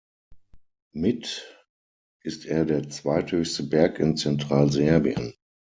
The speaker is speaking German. Mit ist er der zweithöchste Berg in Zentralserbien.